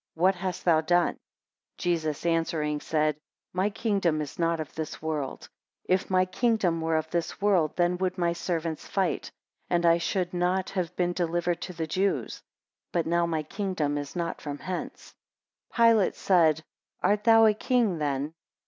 What hast thou done? 9 Jesus answering, said, My kingdom is not of this world: if my kingdom were of this world, then would my servants fight, and I should not have been delivered to the Jews: but now my kingdom is not from hence. 10 Pilate said, Art thou a king then?